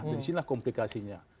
dan disinilah komplikasinya